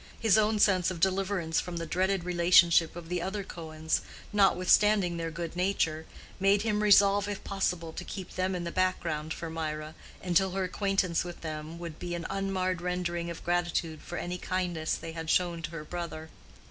His own sense of deliverance from the dreaded relationship of the other Cohens, notwithstanding their good nature, made him resolve if possible to keep them in the background for Mirah, until her acquaintance with them would be an unmarred rendering of gratitude for any kindness they had shown to her brother.